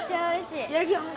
いただきます。